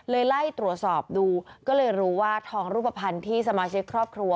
ไล่ตรวจสอบดูก็เลยรู้ว่าทองรูปภัณฑ์ที่สมาชิกครอบครัว